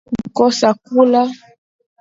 Kukosa kula